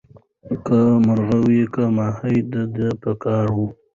که مرغه وو که ماهی د ده په کار وو